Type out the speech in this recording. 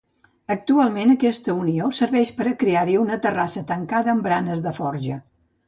Actualment aquesta unió serveix per a crear-hi una terrassa tancada amb baranes de forja.